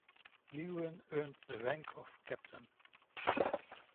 Lewin earned the rank of captain.